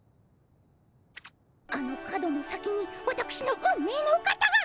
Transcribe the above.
あの角の先にわたくしの運命のお方が。